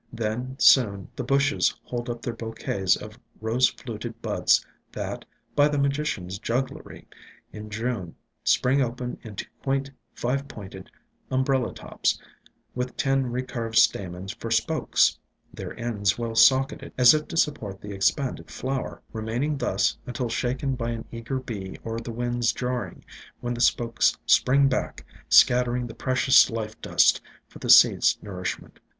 Then soon the bushes hold up their bouquets of rose fluted buds that, by the Magician's jugglery, in June spring open into quaint five pointed umbrella tops, with ten recurved stamens for spokes, their ends well socketed as if to support the expanded flower, remaining thus until shaken by an eager bee or the wind's jarring, when the spokes spring back, scattering the precious life dust for the seed's nourishment.